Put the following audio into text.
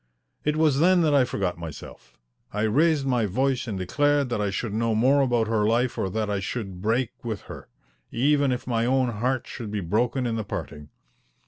It was then that I forgot myself. I raised my voice and declared that I should know more about her life or that I should break with her, even if my own heart should be broken in the parting.